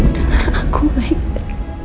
dengar aku maika